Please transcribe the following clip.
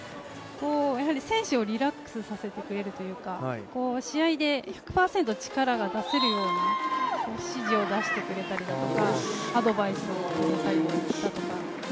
選手をリラックスさせてくれるというか、試合で１００％力を出せるような指示を出してくれたりとか、アドバイスをくれたりとか。